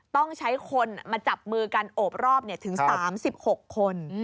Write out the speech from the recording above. ต้องใช้คนมาจับมือกันโอบรอบถึง๓๖คน